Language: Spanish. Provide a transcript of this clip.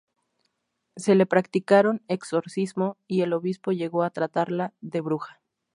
Se le practicaron exorcismos y el obispo llegó a tratarla de bruja.